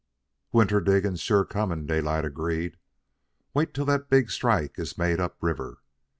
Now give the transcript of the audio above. "Winter diggin's sure comin'," Daylight agreed. "Wait till that big strike is made up river.